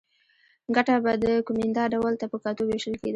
ګټه به د کومېندا ډول ته په کتو وېشل کېده.